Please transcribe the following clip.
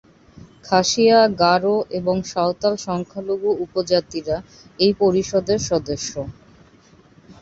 খাসিয়া, গারো এবং সাঁওতাল সংখ্যালঘু উপজাতিরা এই পরিষদের সদস্য।